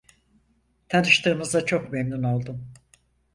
Tanıştığımıza çok memnun oldum.